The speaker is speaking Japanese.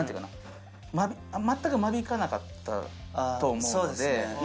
全く間引かなかったと思うので。